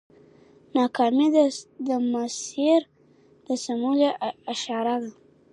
ناکامي د مسیر د سمولو اشاره ده؛